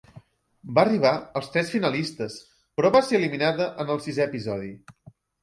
Va arribar als tres finalistes, però va ser eliminada en el sisè episodi.